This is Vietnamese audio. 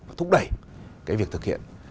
và thúc đẩy cái việc thực hiện